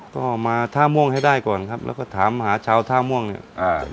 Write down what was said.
ก็มาท่าม่วงให้ได้ก่อนครับแล้วก็ถามหาชาวท่าม่วงเนี่ยอ่า